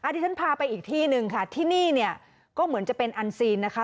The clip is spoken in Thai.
ที่ฉันพาไปอีกที่หนึ่งค่ะที่นี่เนี่ยก็เหมือนจะเป็นอันซีนนะคะ